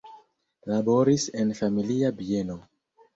Laboris en familia bieno.